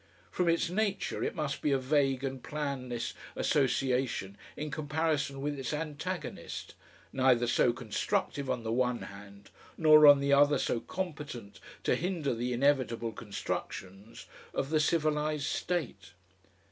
From its nature it must be a vague and planless association in comparison with its antagonist, neither so constructive on the one hand, nor on the other so competent to hinder the inevitable constructions of the civilised state.